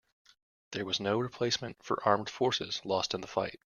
There was no replacement for armed forces lost in the fight.